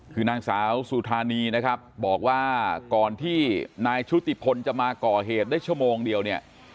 คือนางสาวสุธานีนะครับบอกว่าก่อนที่นายชุติพลจะมาก่อเหตุได้ชั่วโมงเดียวเนี่ย